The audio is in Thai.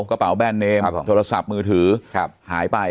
กระเป๋าแบรนดเนมโทรศัพท์มือถือหายไป